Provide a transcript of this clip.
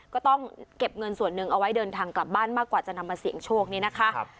ก็ต้องเก็บเงินส่วนหนึ่งเอาไว้เดินทางกลับบ้านมากกว่าจะนำมาเสี่ยงโชคนี้นะคะ